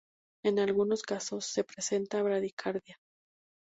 En algunos casos, se presenta bradicardia.